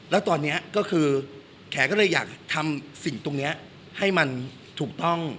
แล้วตอนนี้ก็คือแขกก็เลยอยากทำสิ่งตรงนี้ให้มันถูกต้อง